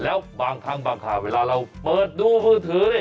แล้วบางครั้งบางข่าวเวลาเราเปิดดูมือถือนี่